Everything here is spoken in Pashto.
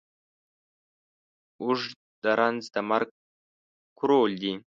اوږ د رنځ د مرگ کرول دي.